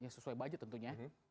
sesuai budget tentunya